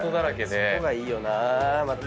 そこがいいよなぁまた。